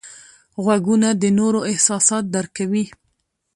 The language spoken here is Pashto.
غوږونه د نورو احساسات درک کوي